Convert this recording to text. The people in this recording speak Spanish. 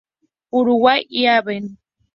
Uruguay y la Av.